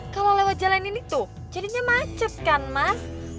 kalau lewat jalan ini tuh jadinya macet kan mas